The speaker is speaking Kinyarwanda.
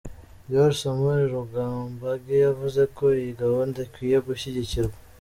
Dr Samuel Rugambage, yavuze ko iyi gahunda ikwiye gushyigikirwa.